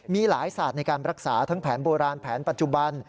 มีหลายศาสตร์ในการรักษาทั้งแผนโบราณแผนปัจจุบัน